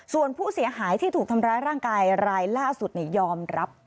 ส่วนผู้เสียหายที่ถูกทำร้ายร่างกายรายล่าสุดยอมรับ